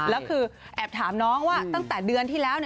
แล้วคือแอบถามน้องว่าตั้งแต่เดือนที่แล้ว